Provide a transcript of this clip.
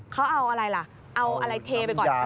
เขาเอาอะไรล่ะเอาอะไรเทไปก่อน